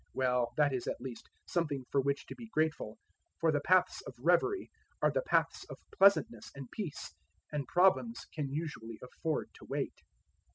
Well, that is, at least, something for which to be grateful, for the paths of reverie are the paths of pleasantness and peace, and problems can usually afford to wait.